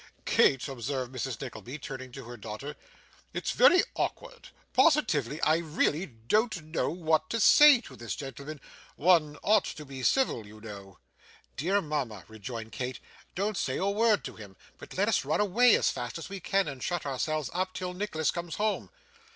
'Kate,' observed Mrs. Nickleby, turning to her daughter, 'it's very awkward, positively. I really don't know what to say to this gentleman. One ought to be civil, you know.' 'Dear mama,' rejoined Kate, 'don't say a word to him, but let us run away as fast as we can, and shut ourselves up till Nicholas comes home.